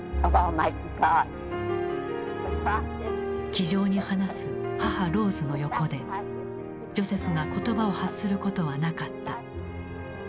気丈に話す母ローズの横でジョセフが言葉を発することはなかった。